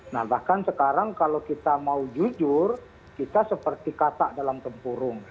nah bahkan sekarang kalau kita mau jujur kita seperti kata dalam tempurung